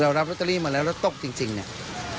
รับลอตเตอรี่มาแล้วแล้วตกจริงเนี่ย